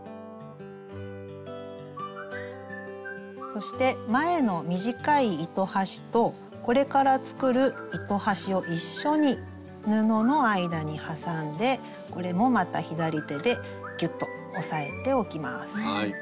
そして前の短い糸端とこれから作る糸端を一緒に布の間に挟んでこれもまた左手でギュッと押さえておきます。